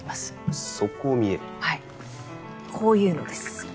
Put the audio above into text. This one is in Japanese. はいこういうのです。